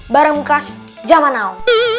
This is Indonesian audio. barang bekas jamanau